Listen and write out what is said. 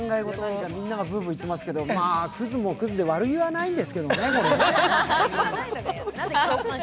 何かみんながブーブー言ってますけど、クズもクズで悪気はないんですけどね、これ。